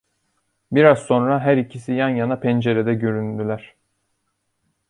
Biraz sonra her ikisi yan yana pencerede güründüler.